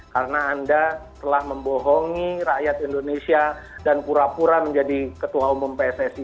karena anda telah membohongi rakyat indonesia dan pura pura menjadi ketua umum pssi